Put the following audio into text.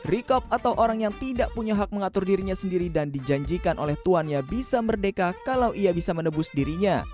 rikob atau orang yang tidak punya hak mengatur dirinya sendiri dan dijanjikan oleh tuannya bisa merdeka kalau ia bisa menebus dirinya